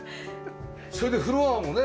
それでフロアもね。